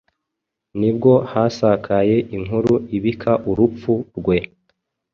nibwo hasakaye inkuru ibika urupfu rwe